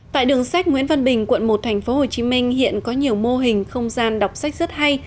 tại đường sách nguyễn văn bình quận một tp hcm hiện có nhiều mô hình không gian đọc sách rất hay